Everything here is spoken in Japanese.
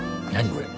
これ。